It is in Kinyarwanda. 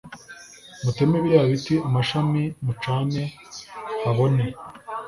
muteme biriya biti amashami mucane habone.